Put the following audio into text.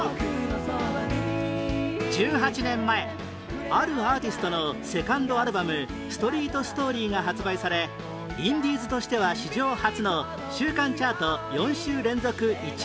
１８年前あるアーティストのセカンドアルバム『ＳｔｒｅｅｔＳｔｏｒｙ』が発売されインディーズとしては史上初の週間チャート４週連続１位を獲得